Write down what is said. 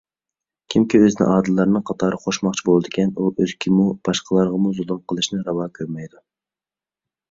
كىمكى ئۆزىنى ئادىللارنىڭ قاتارىغا قوشماقچى بولىدىكەن، ئۇ ئۆزىگىمۇ، باشقىلارغىمۇ زۇلۇم قىلىشنى راۋا كۆرمەيدۇ.